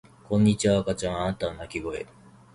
こんにちは赤ちゃんあなたの泣き声